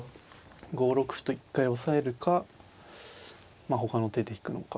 ５六歩と一回押さえるかまあほかの手で行くのか。